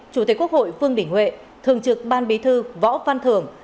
chủ tịch quốc hội phương đình huệ thường trực ban bí thư võ văn thường